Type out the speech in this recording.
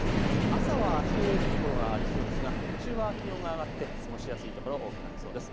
朝は冷える所がありそうですが日中は気温が上がって過ごしやすいところ、多くなりそうです。